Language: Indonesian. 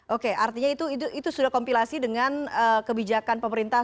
oke artinya itu sudah kompilasi dengan kebijakan pemerintah